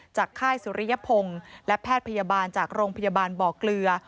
ค่ายสุริยพงศ์และแพทย์พยาบาลจากโรงพยาบาลบ่อเกลือ